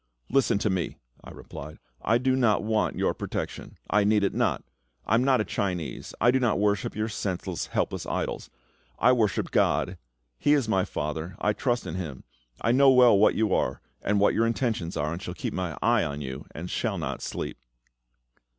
"Listen to me," I replied. "I do not want your protection; I need it not; I am not a Chinese; I do not worship your senseless, helpless idols. I worship GOD; He is my FATHER; I trust in Him. I know well what you are, and what your intentions are, and shall keep my eye on you, and shall not sleep."